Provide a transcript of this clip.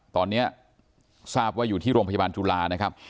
ตอนนี้ทราบว่าอยู่ที่โรงพยาบาลจุฬานะครับ